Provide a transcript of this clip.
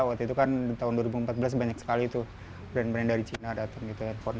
waktu itu kan tahun dua ribu empat belas banyak sekali tuh brand brand dari cina datang gitu handphone